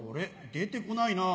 出てこないな。